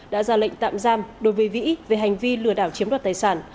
đã ra lệnh tạm giam đối với vĩ về hành vi lừa đảo chiếm đoạt tài sản